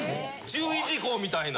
注意事項みたいな。